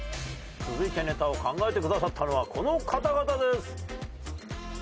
続いてネタを考えてくださったのはこの方々です。